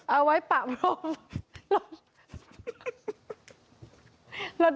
เอาไว้ปับหลง